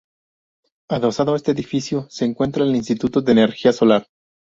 Adosado a este edificio se encuentra el Instituto de Energía Solar.